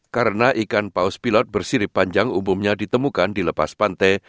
karena ikan paus pilot bersirip panjang umumnya ditemukan di lepas pantai